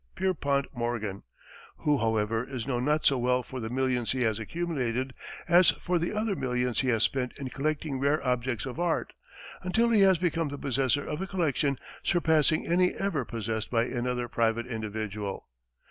Pierpont Morgan, who, however, is known not so well for the millions he has accumulated as for the other millions he has spent in collecting rare objects of art, until he has become the possessor of a collection surpassing any ever possessed by another private individual.